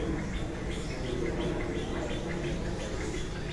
د فصلو د دوران تغییر خاورې ته نوی قوت ورکوي.